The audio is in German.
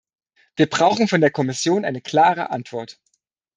Wir brauchen von der Kommission eine klare Antwort.